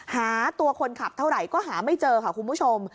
หาตัวคนขับเท่าไหร่ก็หาไม่เจอค่ะคุณผู้ชม